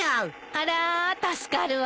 あら助かるわ。